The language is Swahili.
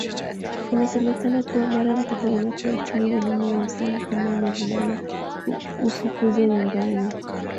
Inasemekana kuwa mara mtoto anapoitimu elimu ya msingi kama ni mvulana ufukuzwa nyumbani